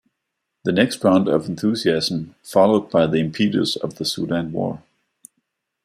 The next round of enthusiasm followed the impetus of the Soudan War.